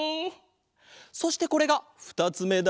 そしてこれがふたつめだ。